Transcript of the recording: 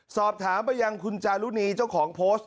สอบถามไปยังคุณจารุณีเจ้าของโพสต์